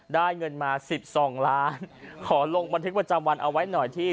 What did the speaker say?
ได้เงินมา๑๒ล้านขอลงบันทึกประจำวันเอาไว้หน่อยที่